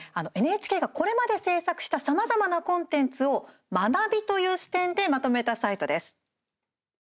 ＮＨＫがこれまで制作したさまざまなコンテンツを学びという視点でまとめたサイトです。